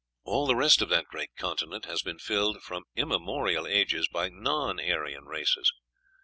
All the rest of that great continent has been filled from immemorial ages by non Aryan races.